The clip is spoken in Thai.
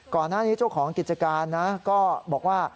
ก่อนหน้านี้เจ้าของกิจการนะก็บอกว่า